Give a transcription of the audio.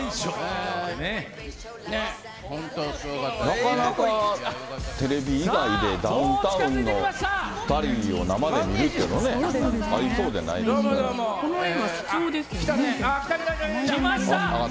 なかなか、テレビ以外で、ダウンタウンの２人を生で見るっていうのね、ありそうでないですから。来ました。